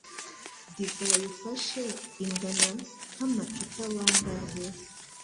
divayi Ufashe ingana nk’amacupa bangahe?